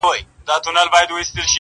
د هغه ورځي څه مي_